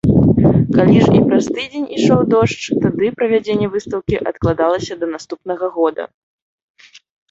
Калі ж і праз тыдзень ішоў дождж, тады правядзенне выстаўкі адкладалася да наступнага года.